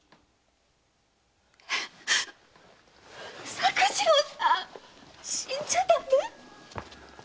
作次郎さん死んじゃだめ！